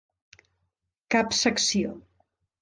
Cap secció.